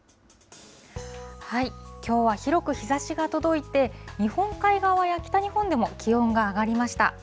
きょうは広く日ざしが届いて、日本海側や北日本でも気温が上がりました。